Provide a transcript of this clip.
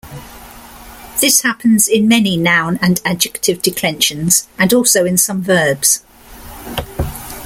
This happens in many noun and adjective declensions, and also in some verbs.